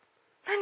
何？